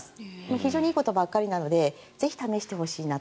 非常にいいことばかりなのでぜひ試してほしいなと。